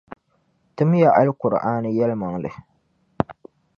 Timiya Alkur’aani yɛlimaŋli.